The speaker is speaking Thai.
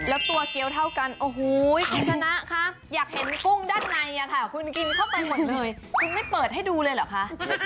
แล้วตัวเกี้ยวเท่ากันโอ้โหคุณชนะคะอยากเห็นกุ้งด้านในค่ะคุณกินเข้าไปหมดเลยคุณไม่เปิดให้ดูเลยเหรอคะ